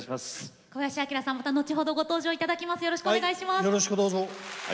小林旭さんまた後ほど、ご登場いただきます。